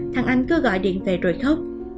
thằng anh cứ gọi điện về rồi khóc